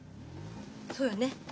そうよね。